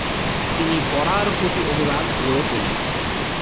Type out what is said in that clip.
তিনি পড়ার প্রতি অনুরাগ গড়ে তোলেন।